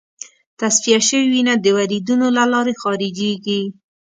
تصفیه شوې وینه د وریدونو له لارې خارجېږي.